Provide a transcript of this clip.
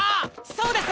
そうです！